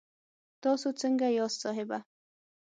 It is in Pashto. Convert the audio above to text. تاسو سنګه یاست صاحبه